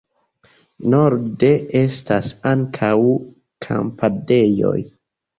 Norde estas ankaŭ kampadejoj.